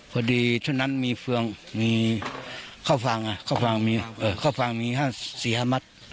พอดีเท่านั้นมีเฟืองเข้าฟังมีข้างสี่ห้ามัด